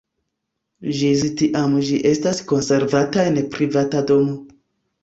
Ĝis tiam ĝi estas konservata en privata domo.